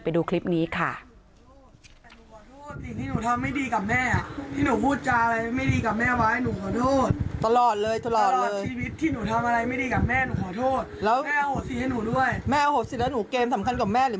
ไปดูคลิปนี้ค่ะ